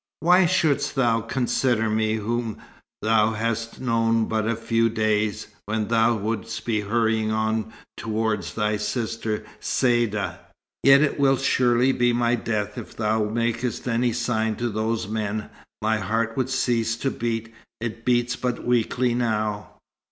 "Why shouldst thou consider me, whom thou hast known but a few days, when thou wouldst be hurrying on towards thy sister Saïda? Yet it will surely be my death if thou makest any sign to those men. My heart would cease to beat. It beats but weakly now."